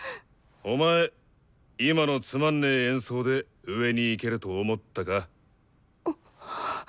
今のつまんねえ演奏で上に行けると思ったか？